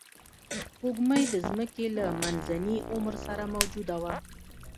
سپوږمۍ د ځمکې له منځني عمر سره موجوده وه